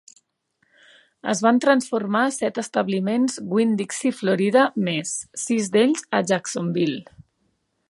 Es van transformar set establiments Winn-Dixie Florida més, sis d'ells a Jacksonville.